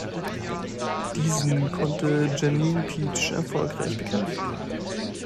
Diesen konnte Janine Pietsch erfolgreich bekämpfen.